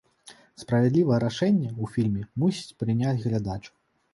Справядлівае рашэнне ў фільме мусіць прыняць глядач.